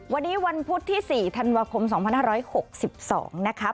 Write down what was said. วันนี้วันพุธที่๔ธันวาคม๒๕๖๒นะคะ